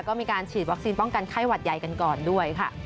ก็มีการฉีดวัคซีนป้องกันไข้หวัดใหญ่กันก่อนด้วยค่ะ